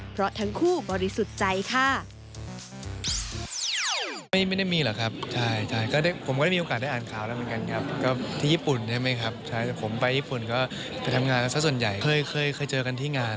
เพราะทั้งคู่บริสุทธิ์ใจค่ะ